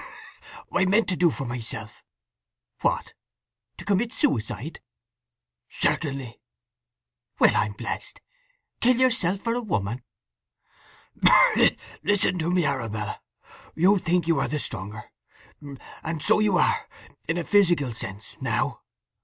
I meant to do for myself." "What—to commit suicide?" "Certainly." "Well, I'm blest! Kill yourself for a woman." "Listen to me, Arabella. You think you are the stronger; and so you are, in a physical sense, now.